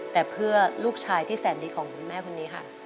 แต่เพื่อลูกชายที่แสนดีของคุณแม่คนนี้ค่ะ